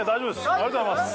ありがとうございます。